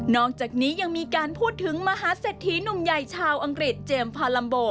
อกจากนี้ยังมีการพูดถึงมหาเศรษฐีหนุ่มใหญ่ชาวอังกฤษเจมส์พาลัมโบ